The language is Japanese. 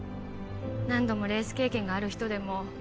何度もレース経験がある人でも